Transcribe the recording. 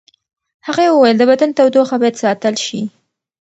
هغې وویل د بدن تودوخه باید ساتل شي.